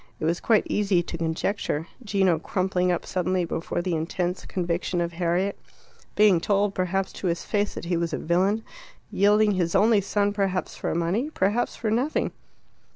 It was quite easy to conjecture: Gino crumpling up suddenly before the intense conviction of Harriet; being told, perhaps, to his face that he was a villain; yielding his only son perhaps for money, perhaps for nothing.